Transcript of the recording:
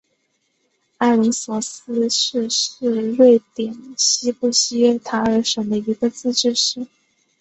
阿灵索斯市是瑞典西部西约塔兰省的一个自治市。